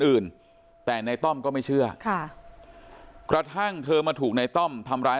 อื่นแต่ในต้อมก็ไม่เชื่อค่ะกระทั่งเธอมาถูกในต้อมทำร้าย